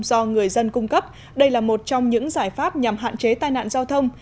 do người dân cung cấp đây là một trong những giải pháp nhằm hạn chế tai nạn giao thông